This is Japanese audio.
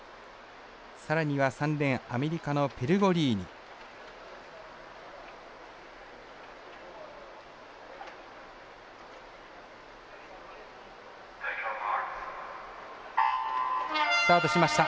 さらには、３レーンアメリカのペルゴリーニ。スタートしました。